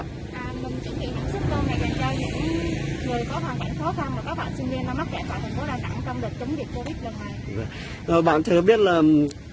mình chuẩn bị xuất cơm này là cho những người có hoàn cảnh khó khăn và các bạn sinh viên đang mắc kẹt vào thành phố đà nẵng trong lịch chống dịch covid lần này